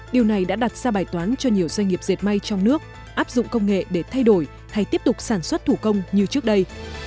điều này đã đặt ra bài toán cho nhiều doanh nghiệp dệt may trong nước áp dụng công nghệ để thay đổi hay tiếp tục sản xuất thủ công như trước đây